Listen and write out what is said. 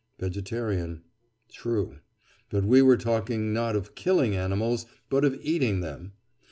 Vegetarian: True; but we were talking not of killing animals but of eating them.